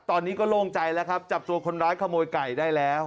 ตอนนี้ก็โล่งใจแล้วครับจับตัวคนร้ายขโมยไก่ได้แล้ว